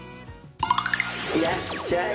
いらっしゃい。